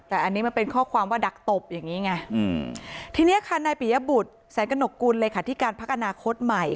แต่อันนี้มันเป็นข้อความว่าดักตบอย่างนี้ไงอืมทีนี้ค่ะนายปิยบุตรแสงกระหนกกุลเลขาธิการพักอนาคตใหม่